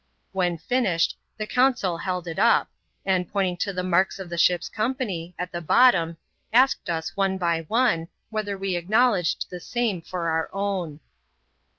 When finished, the consul eld it up ; and, pointing to the marks of the ship's company, t the bottom, asked us, one by one, whether we acknowledged 16. same for our own.